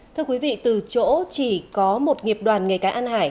thưa quý vị từ chỗ chỉ có một nghiệp đoàn nghề cá an hải